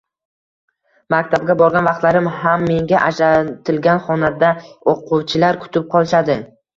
Maktabga borgan vaqtlarim ham menga ajratilgan xonada oʻquvchilar kutib qolishadi.